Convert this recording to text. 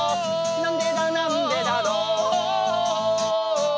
「なんでだなんでだろう」